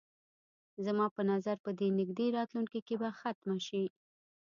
زما په نظر په دې نږدې راتلونکي کې به ختمه شي.